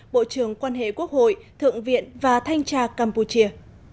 bộ trưởng quan hệ quốc hội thượng viện và thanh tra campuchia